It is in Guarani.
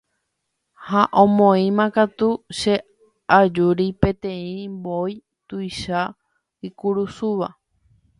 Ha omoĩmakatu che ajúri peteĩ mbo'y tuicha ikurusúva.